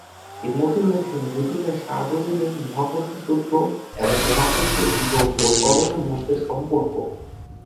এর মধ্যে রয়েছে নিউটনের সার্বজনীন মহাকর্ষ সূত্র, এবং মহাকর্ষীয় বিভব ও ত্বরণের মধ্যে সম্পর্ক।